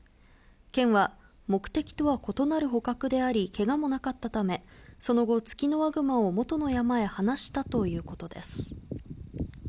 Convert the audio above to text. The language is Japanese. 県は、目的とは異なる捕獲であり、けがもなかったため、その後、ツキノワグマを元の山へ放したということです。